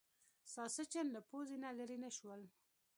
ساسچن له پوزې نه لرې نه شول.